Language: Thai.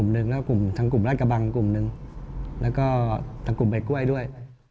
เงินทั้งกลุ่มลาตกฑังกลุ่มไบ้กล้วยด้วย